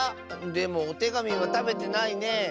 でもおてがみはたべてないね。